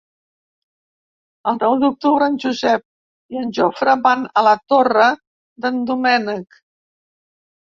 El nou d'octubre en Josep i en Jofre van a la Torre d'en Doménec.